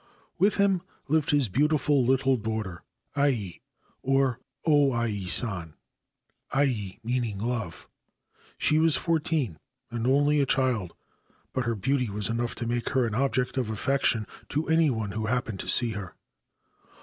With him lived his autiful little daughter Ai, or O Ai San ('Ai ' meaning :>ve'). She was fourteen, and only a child; but her auty was enough to make her an object of affection to y one who happened to see her.